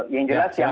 yang jelas ya